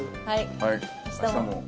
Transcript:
はい。